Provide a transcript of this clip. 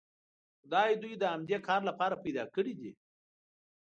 خدای دوی د همدې کار لپاره پیدا کړي دي.